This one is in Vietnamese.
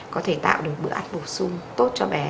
có thể tạo được bữa ăn bổ sung tốt cho bé